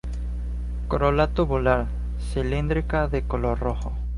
Corola tubular, cilíndrica de color roja.